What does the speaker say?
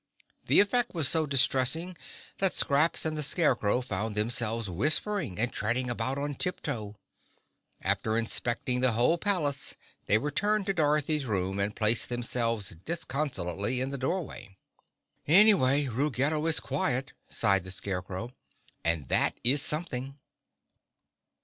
The effect was so distressing that Scraps and the Scarecrow found themselves whispering and treading about on tip toe. After inspecting the whole palace they returned to Dorothy's room and placed themselves disconsolately in the doorway. "Anyway, Ruggedo is quiet," sighed the Scarecrow, "and that is something."